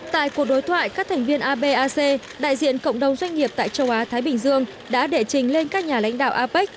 tại cuộc đối thoại các thành viên abac đại diện cộng đồng doanh nghiệp tại châu á thái bình dương đã đệ trình lên các nhà lãnh đạo apec